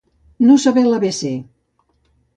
No saber l'abecé.